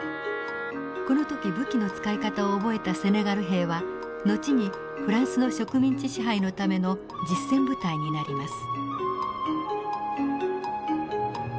この時武器の使い方を覚えたセネガル兵は後にフランスの植民地支配のための実戦部隊になります。